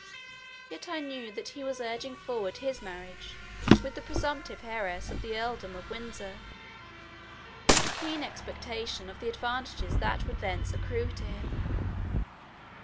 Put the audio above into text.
Yet I knew that he was urging forward his marriage with the presumptive heiress of the Earldom of Windsor, with keen expectation of the advantages that would thence accrue to him.